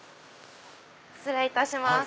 失礼いたします。